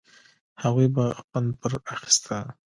هغوی به خوند پر اخيسته.